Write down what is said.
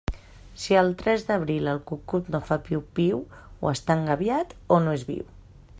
Si al tres d'abril, el cucut no fa piu-piu, o està engabiat o no és viu.